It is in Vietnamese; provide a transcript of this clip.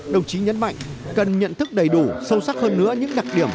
đồng chí nhấn mạnh cần nhận thức đầy đủ sâu sắc hơn nữa những đặc điểm